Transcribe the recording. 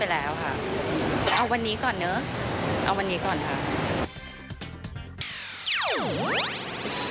เอาวันนี้ก่อนเนอะเอาวันนี้ก่อนค่ะ